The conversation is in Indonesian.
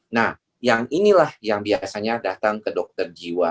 nah yang inilah yang biasanya datang ke dokter jiwa